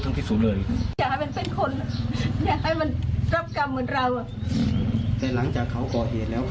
ไม่ยอมไม่ยอมไม่ยอมไม่ยอม